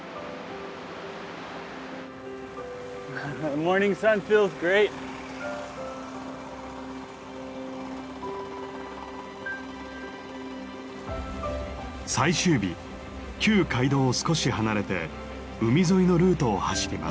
最終日旧街道を少し離れて海沿いのルートを走ります。